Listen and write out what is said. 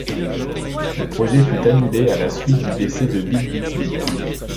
Le projet fut annulé à la suite du décès de Bill Bixby.